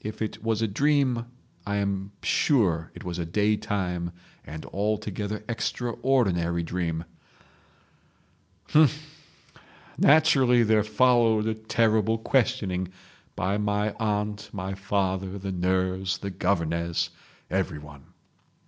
If it was a dream, I am sure it was a day time and altogether extraordinary dream ...... H'm!—naturally there followed a terrible questioning, by my aunt, my father, the nurse, the governess—everyone